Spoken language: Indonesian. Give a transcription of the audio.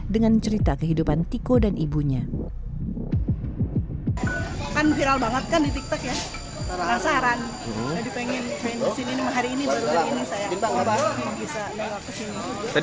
dengan cerita kehidupan tiko dan ibunya